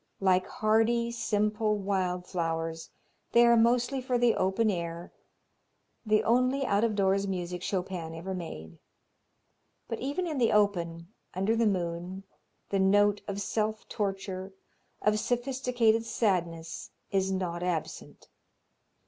Like hardy, simple wild flowers, they are mostly for the open air, the only out of doors music Chopin ever made. But even in the open, under the moon, the note of self torture, of sophisticated sadness is not absent.